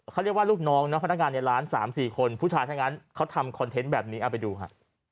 เขาเรียกว่าลูกน้องนะพนักงานในร้าน๓๔คนผู้ชายทั้งนั้นเขาทำคอนเทนต์แบบนี้เอาไปดูฮะ